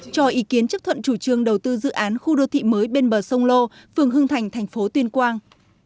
cho ý kiến chấp thuận chủ trương đầu tư dự án khu đô thị mới bên bờ sông lô phường hưng thành thành phố tuyên quang